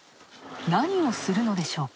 何をするのでしょうか？